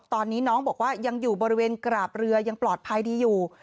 ตอนนี้น้องบอกว่ายังอยู่บริเวณกราบเรือยังปลอดภัยดีอยู่